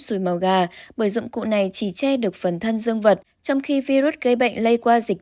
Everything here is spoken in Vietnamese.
xùi màu gà bởi dụng cụ này chỉ che được phần thân dương vật trong khi virus gây bệnh lây qua dịch